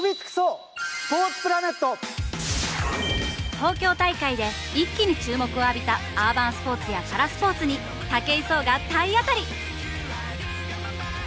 東京大会で一気に注目を浴びたアーバンスポーツやパラスポーツに武井壮が体当たり！